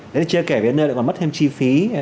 đấy là chia kể về nơi còn mất thêm chi phí